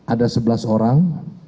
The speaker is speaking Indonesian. ada sebelas orang